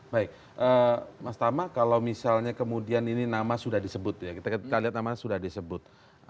baik mas tama kalau misalnya kemudian ini nama sudah disebut ya kita lihat namanya sudah disebut